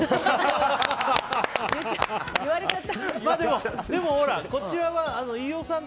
言われちゃった。